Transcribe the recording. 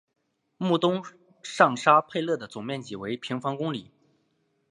穆东上沙佩勒的总面积为平方公里。